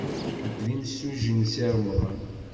Nekk d imsujji n Si Remḍan.